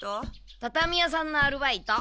たたみ屋さんのアルバイト。